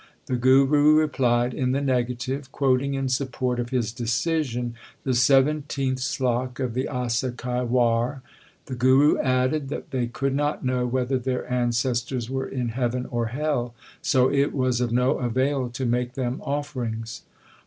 The Guru replied in the negative, quoting in support of his decision the seventeenth slok of the Asa ki War. The Guru added that they could not know whether their ancestors were in heaven or hell, so it was of no avail to make them offerings.